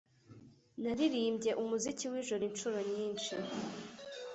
Naririmbye Umuziki wijoro inshuro nyinshi